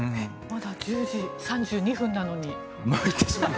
まだ１０時３２分なのに。